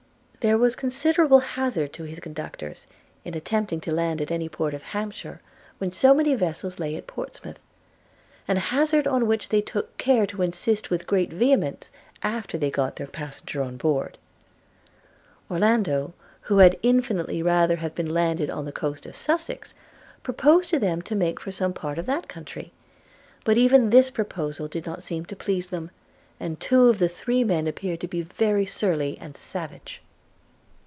There was considerable hazard to his conductors in attempting to land at any port of Hampshire, when so many vessels lay at Portsmouth; an hazard on which they took care to insist with great vehemence, after they had got their passenger on board. Orlando, who had infinitely rather have been landed on the coast of Sussex, proposed to them to make for some part of that country; but even this proposal did not seem to please them, and two of the three men appeared to be very surly and savage.